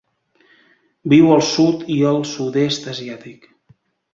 Viu al sud i el sud-est asiàtic.